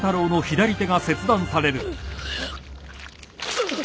うっ。